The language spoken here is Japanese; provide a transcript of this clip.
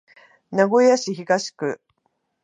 名古屋市東区